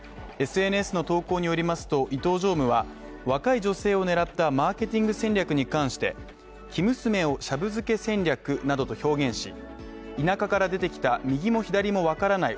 ＳＮＳの投稿によりますと、伊東常務は若い女性を狙ったマーケティング戦略に関して生娘をシャブ漬け戦略などと表現し田舎から出てきた右も左も分からない